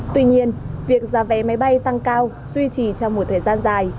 tuy nhiên việc giá vé máy bay tăng cao duy trì trong một thời gian dài